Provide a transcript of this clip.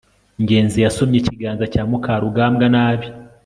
ngenzi yasomye ikiganza cya mukarugambwa nabi